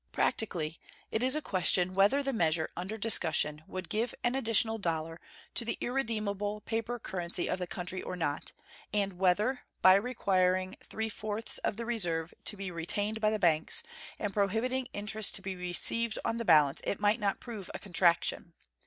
Practically it is a question whether the measure under discussion would give an additional dollar to the irredeemable paper currency of the country or not, and whether by requiring three fourths of the reserve to be retained by the banks and prohibiting interest to be received on the balance it might not prove a contraction.